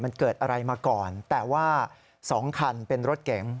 มันเกิดอะไรมาก่อนแต่ว่า๒คันเป็นรถเก๋ง